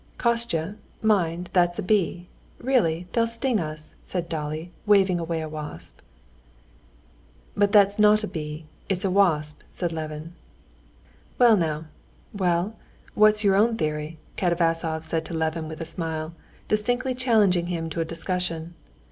"Kostya, mind, that's a bee! Really, they'll sting us!" said Dolly, waving away a wasp. "But that's not a bee, it's a wasp," said Levin. "Well now, well, what's your own theory?" Katavasov said to Levin with a smile, distinctly challenging him to a discussion.